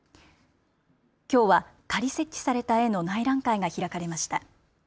きょうは仮設置された絵の内覧会が開かれました。